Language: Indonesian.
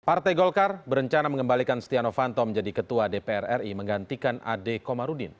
partai golkar berencana mengembalikan setia novanto menjadi ketua dpr ri menggantikan ade komarudin